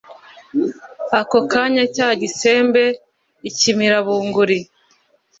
” ako kanya cya gisembe ikimira bunguri.